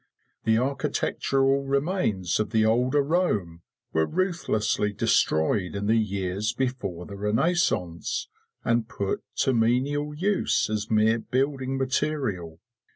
The architectural remains of the older Rome were ruthlessly destroyed in the years before the Renaissance and put to menial use as mere building material.